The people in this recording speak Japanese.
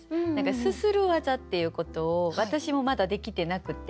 すする技っていうことを私もまだできてなくて。